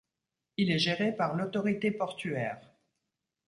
Il est géré par l'autorité portuaire.